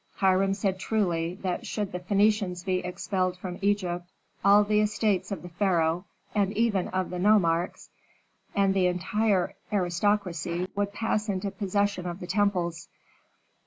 Hiram said truly, that should the Phœnicians be expelled from Egypt, all the estates of the pharaoh, and even of the nomarchs and the entire aristocracy, would pass into possession of the temples.